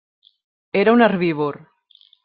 Era un herbívor.